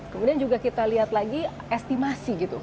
kemudian juga kita lihat lagi estimasi gitu